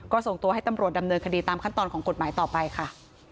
ก็ส่งตัวให้ตำรวจดำเนินคดีตามขั้นตอนของกฎหมายต่อไปค่ะ